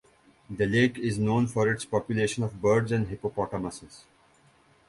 The lake is known for its population of birds and hippopotamuses.